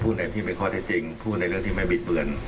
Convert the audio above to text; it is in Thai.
ในที่เป็นข้อเท็จจริงพูดในเรื่องที่ไม่บิดเบือน